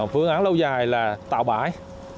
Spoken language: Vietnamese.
phương án lâu dài là tạo bãi